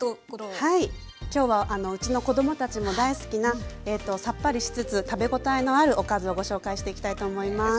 はい今日はうちの子供たちも大好きなさっぱりしつつ食べ応えのあるおかずをご紹介していきたいと思います。